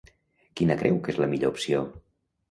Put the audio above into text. Quina creu que és la millor opció?